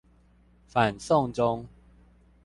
反送中